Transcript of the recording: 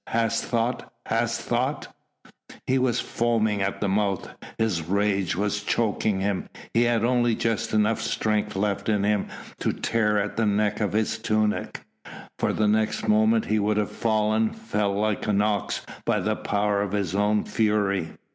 hadst thought ... hadst thought ..." He was foaming at the mouth, his rage was choking him; he had only just enough strength left in him to tear at the neck of his tunic, for the next moment he would have fallen, felled like an ox by the power of his own fury.